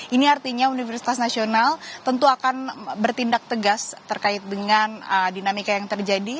ini artinya universitas nasional tentu akan bertindak tegas terkait dengan dinamika yang terjadi